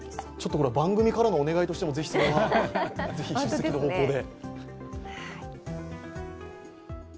番組からのお願いとしてもそれはぜひ、出席の方向で。